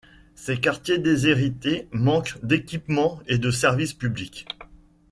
Ces quartiers déshérités manquent d'équipements et de services publics.